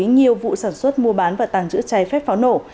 nhiều vụ sản xuất mua bán và tàng trữ trái phép pháo nổ